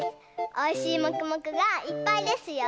おいしいもくもくがいっぱいですよ。